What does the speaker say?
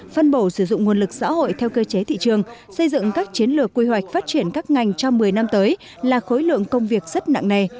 phân bổ sử dụng nguồn lực xã hội theo cơ chế thị trường xây dựng các chiến lược quy hoạch phát triển các ngành trong một mươi năm tới là khối lượng công việc rất nặng nề